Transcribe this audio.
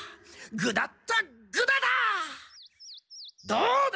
どうだ？